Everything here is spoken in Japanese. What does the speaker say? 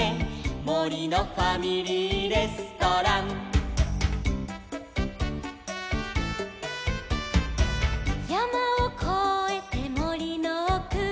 「もりのファミリーレストラン」「やまをこえてもりのおく」